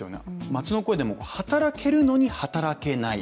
町の声でも、働きたいのに働けない。